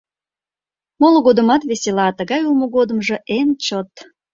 Моло годымат весела, а тыгай улмо годымжо — эн чот.